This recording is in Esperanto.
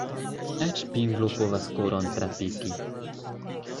Eĉ pinglo povas koron trapiki.